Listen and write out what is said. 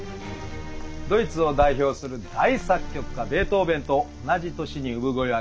ドイツを代表する大作曲家ベートーベンと同じ年に産声を上げたヘーゲル。